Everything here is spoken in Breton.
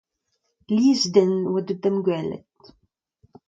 Lies den a oa deuet da'm gwelet.